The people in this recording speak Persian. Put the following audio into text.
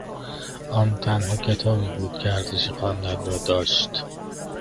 آن تنها کتابی بود که ارزش خواندن را داشت.